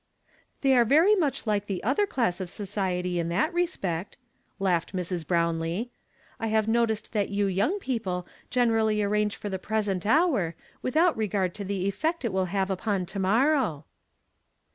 ''They are very much like the other class of society in that respect," laughed Mrs. Brownlee. " I have noticed that you young people generally arrange for the present hour, without regard to the effect it will have upon to morrow."